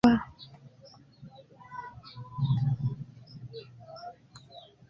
Laŭ la blua maro inter verdaj insuloj navigas fabelaj ŝipoj de vikingoj.